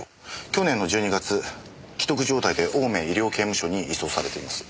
去年の１２月危篤状態で青梅医療刑務所に移送されています。